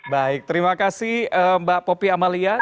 baik terima kasih mbak poppy amalia